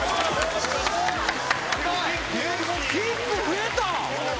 キック増えた。